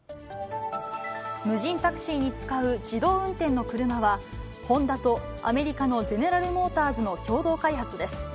無人タクシーに使う自動運転の車は、ホンダとアメリカのゼネラル・モーターズの共同開発です。